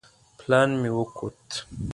پلان مې وکوت.